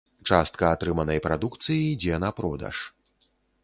Частка атрыманай прадукцыі ідзе на продаж.